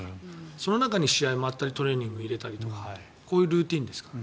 その中に試合もあったリトレーニングを入れたりとこういうルーチンですから。